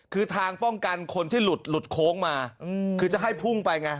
คือทางป้องกันคนที่หลุดหลุดโค้งมาคือจะให้พุ่งไปไง